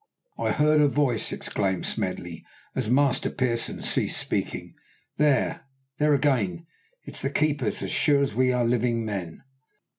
"I heard a voice!" exclaimed Smedley, as Master Pearson ceased speaking. "There! there again! It's the keepers as sure as we are living men!"